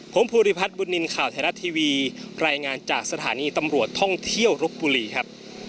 ผมภูริพัฒน์บุญนินทร์ข่าวไทยรัฐทีวีรายงานจากสถานีตำรวจท่องเที่ยวรบบุรีครับ